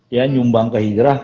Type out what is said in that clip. ya nyumbang ke hijrah